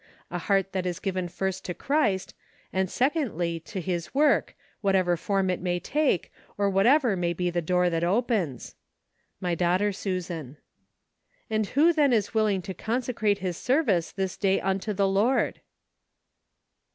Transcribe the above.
A heart that is given iirst to Christ, and secondly, to His work, whatever form it may take, or what¬ ever may he the door that opens. My Daughter Susan. " And who then is trilling to consecrate his service this dag unto the Lord?"